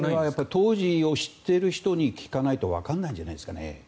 当時を知ってる人に聞かないとわからないんじゃないですかね。